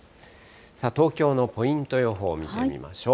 さあ、東京のポイント予報、見てみましょう。